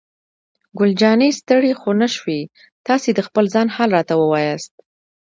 ګل جانې: ستړی خو نه شوې؟ تاسې د خپل ځان حال راته ووایاست.